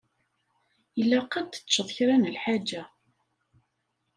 Ilaq ad teččeḍ kra n lḥaǧa.